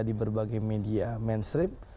di berbagai media mainstream